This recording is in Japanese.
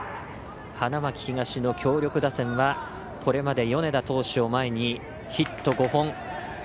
花巻東の強力打線はこれまで米田投手を前にヒット５本。